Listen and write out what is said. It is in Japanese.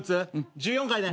１４回ね。